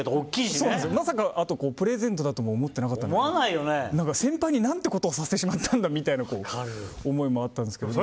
まさか、プレゼントだとも思ってなかったので先輩になんてことをさせてしまったんだみたいな思いもあったんですけど。